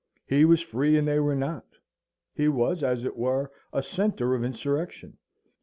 He was free, and they were not: he was, as it were, a centre of insurrection.